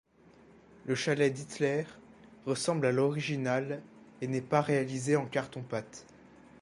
Le chalet d'Hitler ressemble à l'original et n'est pas réalisé en carton-pâte.